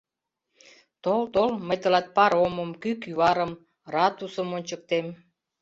«Тол, тол, мый тылат паромым, кӱ кӱварым, ратусым ончыктем.